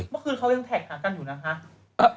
เมื่อคืนเขายังแท็กหากันอยู่นะคะ